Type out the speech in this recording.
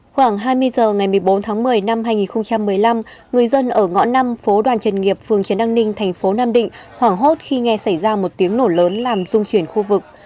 khoảng hai mươi h ngày một mươi bốn tháng một mươi năm hai nghìn một mươi năm người dân ở ngõ năm phố đoàn trần nghiệp phường trần đăng ninh thành phố nam định hoảng hốt khi nghe xảy ra một tiếng nổ lớn làm dung chuyển khu vực